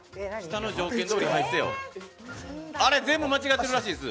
あれ、全部間違ってるらしいです。